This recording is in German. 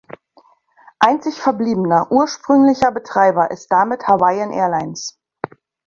Einzig verbliebener ursprünglicher Betreiber ist damit Hawaiian Airlines.